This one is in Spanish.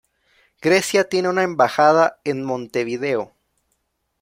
Grecia tiene una embajada en Montevideo.